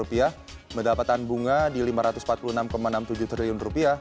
pendapatan bunga di rp lima ratus empat puluh enam enam puluh tujuh triliun